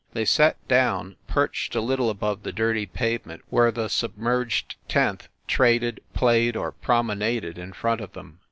They sat down, perched a little above the dirty pavement where the submerged tenth traded, played or promenaded in front of them.